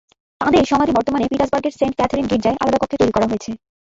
তাঁদের সমাধি বর্তমানে পিটার্সবার্গের সেন্ট ক্যাথরিন গির্জায় আলাদা কক্ষে তৈরি করা হয়েছে।